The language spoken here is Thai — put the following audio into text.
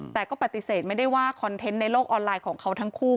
แต่ก็ปฏิเสธไม่ได้ว่าคอนเทนต์ในโลกออนไลน์ของเขาทั้งคู่